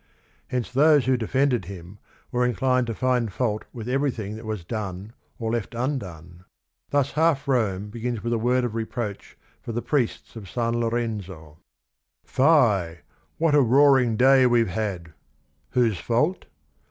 Hence those who defended him were inclined to find fault with everything that was done or left undone. Thus Half Rome begins with a word of reproach for the prie sts of San Loren zo. THE OTHER HALF ROME 37 "Fie ! what a roaring day we 've had I Whose fault?